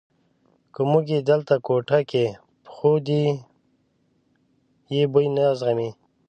که موږ یې دلته کوټه کې پخو دی یې بوی نه زغمي.